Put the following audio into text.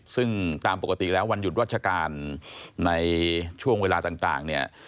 ซึ่งตามปกติแล้ววันหยุดราชการในช่วงเวลาต่างเนี่ย